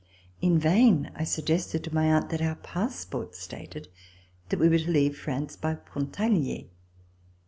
In vain I suggested to my aunt that our passports stated that we were to leave France by Pontarlier.